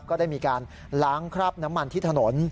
ก็ได้มีการล้างคราบน้ำมันที่ถนน